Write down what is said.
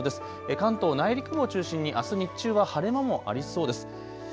関東内陸部を中心にあす日中は晴れ間もありそうです。